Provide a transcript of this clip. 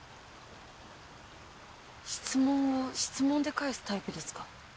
質問を質問で返すタイプですか？